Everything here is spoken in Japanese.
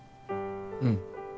うん。